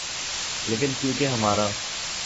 لیکن کیونکہ ہمارا